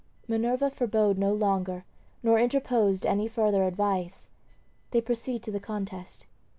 Minerva forbore no longer nor interposed any further advice. They proceed to the contest.